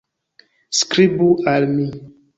Skribu al mi!